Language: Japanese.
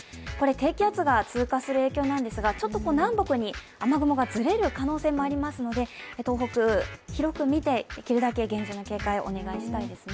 低気圧が通過する影響なんですが南北に雨雲がずれる可能性もありますので東北広く見て、できるだけ厳重な警戒をお願いしたいですね。